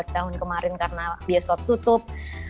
tahun kemarin karena bioskop tutup